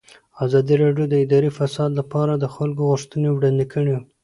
ازادي راډیو د اداري فساد لپاره د خلکو غوښتنې وړاندې کړي.